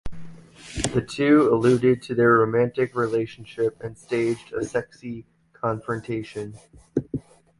The two alluded to their romantic relationship and staged a sexy confrontation.